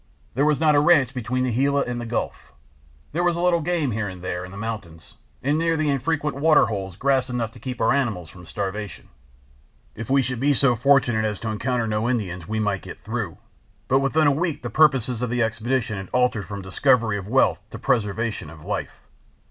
There was not a ranch between the Gila and the Gulf. There was a little game here and there in the mountains, and near the infrequent water holes grass enough to keep our animals from starvation. If we should be so fortunate as to encounter no Indians we might get through. But within a week the purpose of the expedition had altered from discovery of wealth to preservation of life.